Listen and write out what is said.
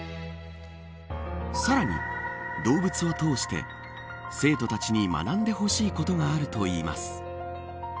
さらに、動物を通して生徒たちに学んでほしいことがあるといいます。